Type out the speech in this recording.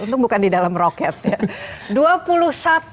untung bukan di dalam roket ya